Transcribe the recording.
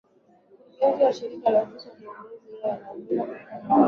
mkurugenzi wa Shirikisho Ofisi ya Upelelezi Yeye inaongozwa kutoka mwaka wa elfu moja mia